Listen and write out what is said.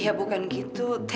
iya bukan gitu